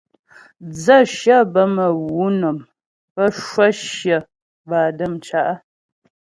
Dzə̌shyə bə́ mə̌ wǔ nɔm, bə́ cwə shyə bâ dəm cǎ'.